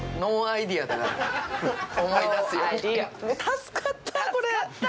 助かったこれ！